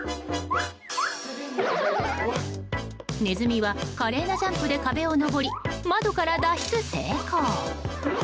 ネズミは華麗なジャンプで壁を上り、窓から脱出成功。